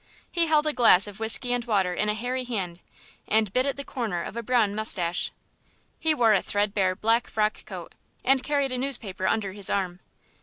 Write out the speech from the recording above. He held a glass of whisky and water in a hairy hand, and bit at the corner of a brown moustache. He wore a threadbare black frock coat, and carried a newspaper under his arm.